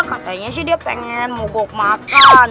katanya sih dia pengen mogok makan